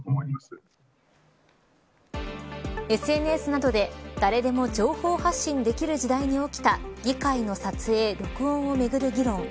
ＳＮＳなどで誰でも情報発信できる時代に起きた議会の撮影、録音をめぐる議論。